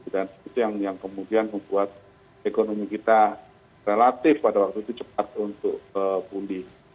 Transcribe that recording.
itu yang kemudian membuat ekonomi kita relatif pada waktu itu cepat untuk pulih